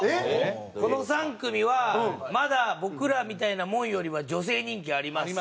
この３組はまだ僕らみたいなもんよりは女性人気あります。